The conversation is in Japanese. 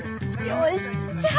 よっしゃ！